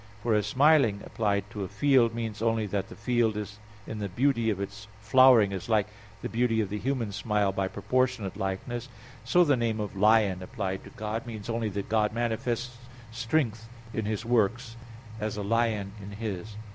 For as "smiling" applied to a field means only that the field in the beauty of its flowering is like the beauty of the human smile by proportionate likeness, so the name of "lion" applied to God means only that God manifests strength in His works, as a lion in his.